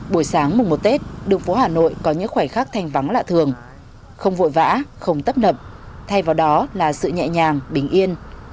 buổi sáng mùng một tết đường phố hà nội có những khoảnh khắc thanh vắng lạ thường không vội vã không tấp nập thay vào đó là sự nhẹ nhàng bình yên